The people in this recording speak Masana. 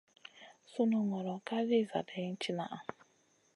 Sunu ŋolo ka lì zadaina tìnaha.